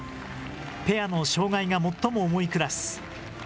ペアの障害が最も重いクラス。